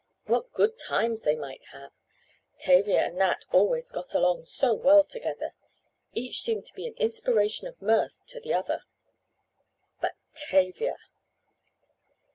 What good times they might have! Tavia and Nat always got along so well together. Each seemed to be an inspiration of mirth to the other. But Tavia!